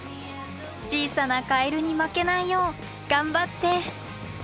小さなカエルに負けないよう頑張って！